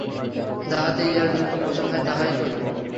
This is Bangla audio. যাহাতে ইহার দুঃখ মোচন হয়, তাহাই করিব।